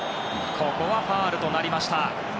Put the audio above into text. ここはファウルとなりました。